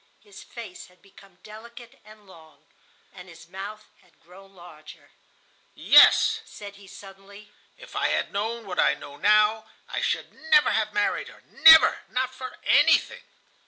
His face had become delicate and long, and his mouth had grown larger. "Yes," said he suddenly, "if I had known what I now know, I should never have married her, never, not for anything."